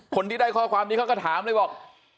คนที่ได้ข้อความนี้เขาก็ถามเลยบอก